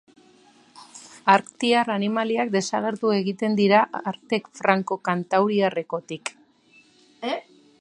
Arktiar animaliak desagertu egiten dira arte franko-kantauriarrekotik.